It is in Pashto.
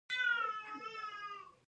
هغوی د ټولنې نیمه برخه کینوله.